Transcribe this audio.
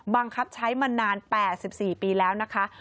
บังคับใช้มานาน๘๔ปีแล้วนะคะ